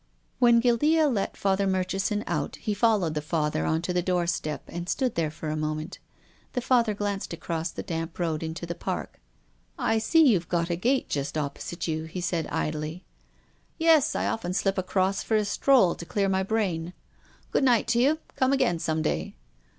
When Guildea let Father Murchison out, he followed the Father on to the doorstep and stood there for a moment. The Father glanced across the damp road into the Park. " I see you've got a gate just opposite you," he said idly. " Yes. I often slip across for a stroll to clear my brain. Good night to you. Come again some day."